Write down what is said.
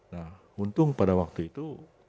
nah untung pada waktu itu